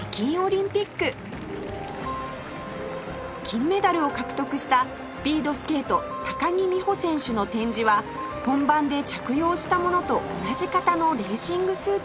金メダルを獲得したスピードスケート木美帆選手の展示は本番で着用したものと同じ型のレーシングスーツです